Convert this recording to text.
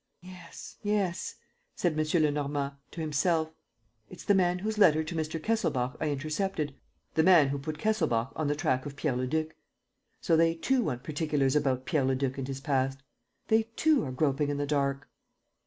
"Yes, yes," said M. Lenormand, to himself, "it's the man whose letter to Mr. Kesselbach I intercepted, the man who put Kesselbach on the track of Pierre Leduc. ... So they, too, want particulars about Pierre Leduc and his past? ... They, too, are groping in the dark?